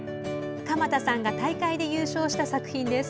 鎌田さんが大会で優勝した作品です。